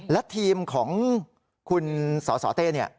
และทีมของคุณสสเต้เนี่ย